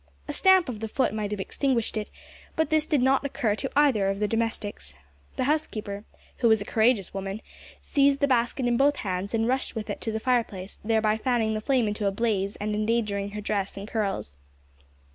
A stamp of the foot might have extinguished it, but this did not occur to either of the domestics. The housekeeper, who was a courageous woman, seized the basket in both hands and rushed with it to the fireplace, thereby fanning the flame into a blaze and endangering her dress and curls.